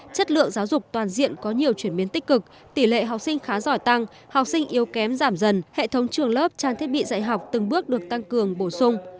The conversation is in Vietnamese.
chất lượng giáo dục toàn diện có nhiều chuyển biến tích cực tỷ lệ học sinh khá giỏi tăng học sinh yếu kém giảm dần hệ thống trường lớp trang thiết bị dạy học từng bước được tăng cường bổ sung